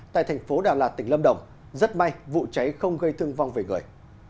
tại thành phố đà lạt tỉnh lâm đồng rất may vụ cháy không gây thương vong về người